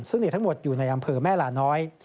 ซึ่งทั้งหมดอยู่ในอำเภอแม่ลาน้อย